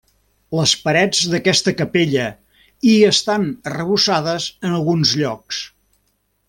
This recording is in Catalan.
Les parets d'aquesta capella i estan arrebossades en alguns llocs.